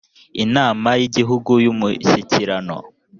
inama y’ igihugu y umushyikirano